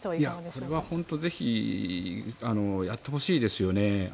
これは本当にぜひやってほしいですね。